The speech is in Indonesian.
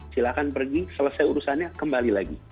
silahkan pergi selesai urusannya kembali lagi